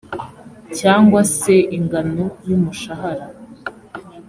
cyangwa se ingano y umushahara